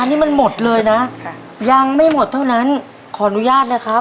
อันนี้มันหมดเลยนะยังไม่หมดเท่านั้นขออนุญาตนะครับ